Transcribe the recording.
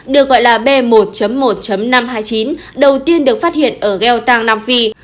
được gọi là b một một năm trăm hai mươi chín đầu tiên được phát hiện ở gheotang nam phi